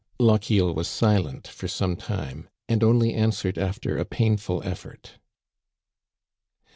Lochiel was silent for some time, and only answered after a painful effort.